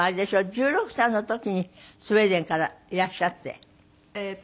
１６歳の時にスウェーデンからいらっしゃって。